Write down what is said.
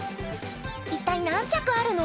一体何着あるの？